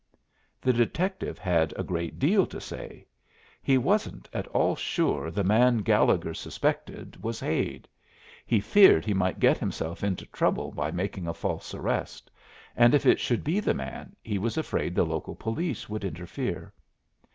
The detective had a great deal to say. He wasn't at all sure the man Gallegher suspected was Hade; he feared he might get himself into trouble by making a false arrest, and if it should be the man, he was afraid the local police would interfere.